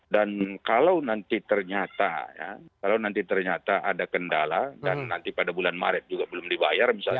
dan kalau nanti ternyata ada kendala dan nanti pada bulan maret juga belum dibayar